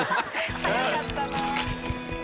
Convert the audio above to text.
早かったな。